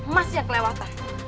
mas yang kelewatan